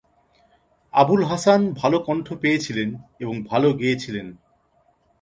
আবুল হাসান ভাল কন্ঠ পেয়েছিলেন এবং ভাল গেয়েছিলেন।